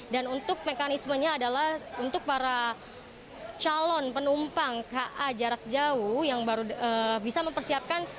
dan untuk mekanismenya adalah untuk para calon penumpang ka jarak jauh yang baru bisa mempersiapkan